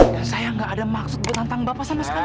dan saya nggak ada maksud menantang bapak sama sekali